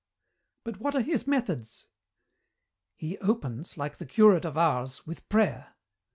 "But what are his methods?" "He opens, like the curate of Ars, with prayer.